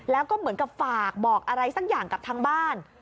แล้วก็เหมือนกับฝากบอกอะไรสักอย่างกับทางบ้าน